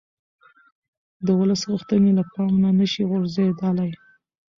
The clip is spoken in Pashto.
د ولس غوښتنې له پامه نه شي غورځېدلای